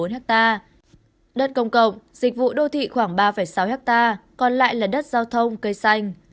đất công cộng dịch vụ đô thị khoảng ba sáu hectare còn lại là đất giao thông cây xanh